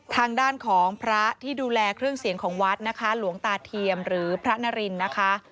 ทางด้านของพระที่ดูแลเครื่องเสียงของวัดนะคะหลวงตาเทียมหรือพระนารินนะคะ